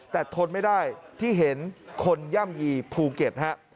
แต่ทนไม่ได้ที่เห็นคนย่ำยีภูเก็ตฮะ